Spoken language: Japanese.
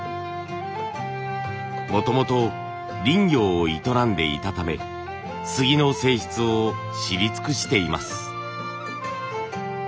もともと林業を営んでいたため杉の性質を知り尽くしています。